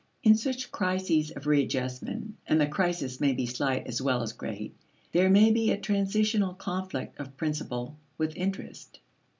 In such crises of readjustment and the crisis may be slight as well as great there may be a transitional conflict of "principle" with "interest."